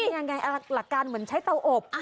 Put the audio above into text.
นี่ยังไงหลักการเหมือนใช้เตาอบ